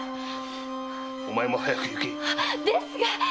お前も早く行け。ですが！